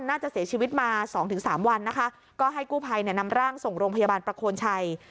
น่าจะเสียชีวิตมาสองถึงสามวันนะคะก็ให้กู้ภัยเนี่ยนำร่างส่งโรงพยาบาลประโคนชัย